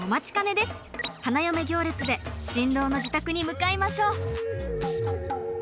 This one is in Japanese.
花嫁行列で新郎の自宅に向かいましょう！